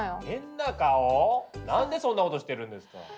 何でそんなことしてるんですか？